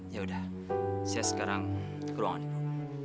yaudah saya sekarang ke ruangan ibu